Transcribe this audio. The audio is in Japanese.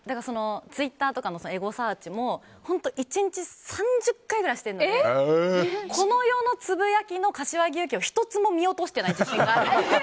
ツイッターとかのエゴサーチも１日３０回ぐらいしているのでこの世のつぶやきの柏木由紀を１つも見落としていない自信がある。